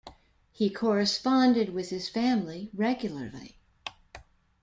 He corresponded with his family regularly.